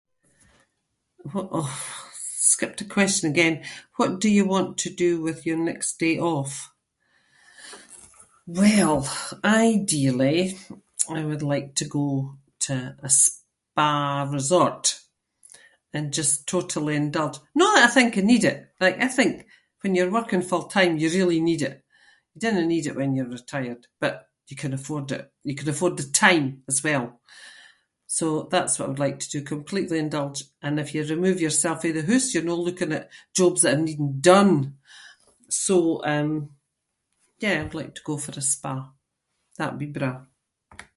What? Aw, skipped a question again. What do you want to do with your next day off? Well, ideally I would like to go to a spa resort and just totally indulge- no that I think I need it. Like, I think when you’re working full-time you really need it. You dinna need it when you’re retired but you can afford it- you can afford the time as well. So that’s what I would like to do – completely indulge, and if you remove yourself fae the hoose you’re no looking at jobs that are needing done. So, um, yeah, I would like to go for a spa. That would be braw.